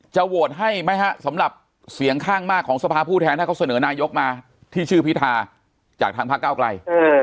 โหวตให้ไหมฮะสำหรับเสียงข้างมากของสภาผู้แทนถ้าเขาเสนอนายกมาที่ชื่อพิธาจากทางพระเก้าไกล